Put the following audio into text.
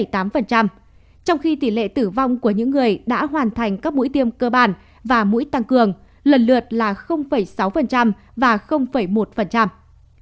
trong khi tỷ lệ tử vong của những người đã hoàn thành các mũi tiêm cơ bản và mũi tăng cường lần lượt là sáu và một